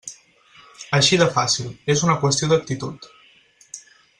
Així de fàcil, és una qüestió d'actitud.